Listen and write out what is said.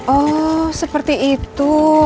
oh seperti itu